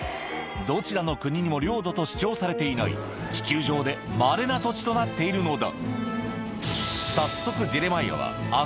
どちらの国にも領土と主張されていない地球上でまれな土地となっているのだ早速